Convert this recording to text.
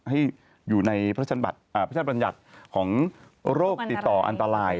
ให้อยู่ในพระราชบัญญัติของโรคติดต่ออันตราย